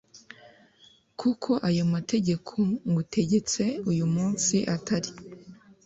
Kuko ayo mategeko ngutegetse uyu munsi atari